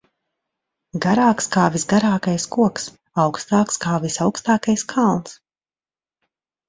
Garāks kā visgarākais koks, augstāks kā visaugstākais kalns.